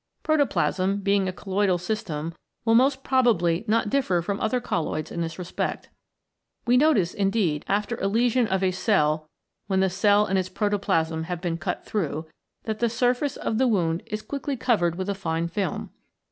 Protoplasm, being a colloidal system, will most probably not differ from other colloids in this respect. We notice, indeed, after a lesion of a cell when the cell and its proto plasm have been cut through, that the surface of the 46 THE PROTOPLASMATIC MEMBRANE wound is quickly covered with a fine film.